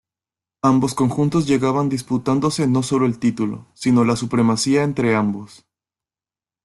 Ambos conjuntos llegaban disputándose no solo el título, sino la supremacía entre ambos.